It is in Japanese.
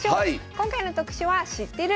今回の特集は「知ってる？